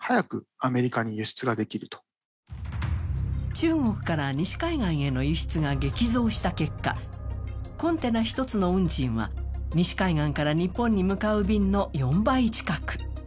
中国から西海岸への輸出が激増した結果、コンテナ１つの運賃は西海岸から日本に向かう便の４倍近く。